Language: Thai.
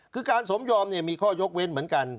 คือการสมยอมมีข้อยกเว้นเหมือนกัน